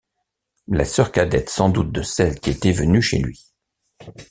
La sœur cadette sans doute de celle qui était venue chez lui.